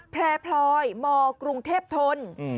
แพร่พลอยมกรุงเทพทน